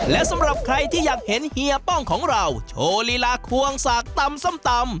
และสำหรับใครที่อยากเห็นเฮียป้องของเราโชว์ลีลาควงสากตำส้มตำ